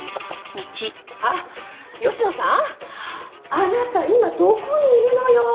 あなた今どこにいるのよ！